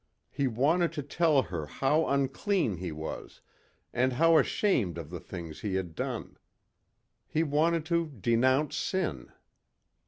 He wanted to tell her how unclean he was and how ashamed of the things he had done. He wanted to denounce sin.